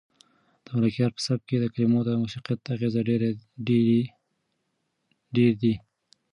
د ملکیار په سبک کې د کلمو د موسیقیت اغېز ډېر دی.